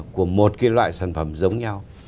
của một cái loại sản phẩm giống nhau